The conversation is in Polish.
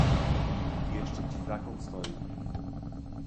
"Jeszcze ci Zakon stoi."